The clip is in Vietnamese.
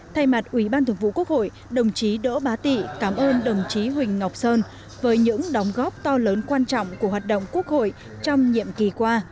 thay mặt ủy ban thường vụ quốc hội đồng chí đỗ bá tị cảm ơn đồng chí huỳnh ngọc sơn với những đóng góp to lớn quan trọng của hoạt động quốc hội trong nhiệm kỳ qua